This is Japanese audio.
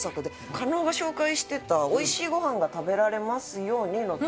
加納が紹介してた『おいしいごはんが食べられますように』の時。